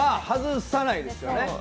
外さないですよね。